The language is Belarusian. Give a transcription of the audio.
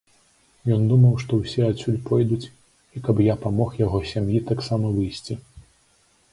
Ён думаў, што ўсе адсюль пойдуць і каб я памог яго сям'і таксама выйсці.